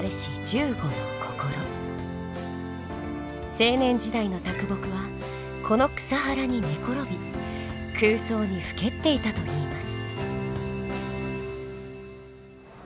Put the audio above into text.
青年時代の木はこの草原に寝転び空想にふけっていたといいます。